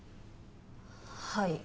はい。